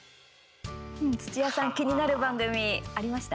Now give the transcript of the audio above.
土屋さん気になる番組、ありました？